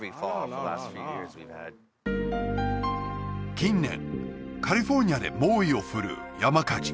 近年カリフォルニアで猛威を振るう山火事